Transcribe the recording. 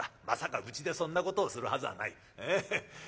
まさかうちでそんなことをするはずはない。